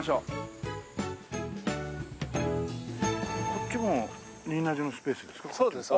こっちも仁和寺のスペースですか？